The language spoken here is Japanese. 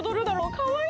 かわいい！